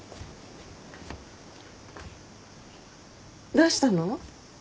どうしたの？